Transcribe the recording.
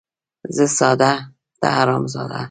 ـ زه ساده ،ته حرام زاده.